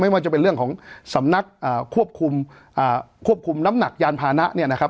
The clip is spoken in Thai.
ว่าจะเป็นเรื่องของสำนักควบคุมควบคุมน้ำหนักยานพานะเนี่ยนะครับ